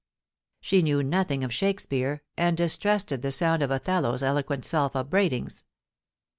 She knew nothing of Shakespeare, and distrusted the sound of Othello's eloquent self upbraidings.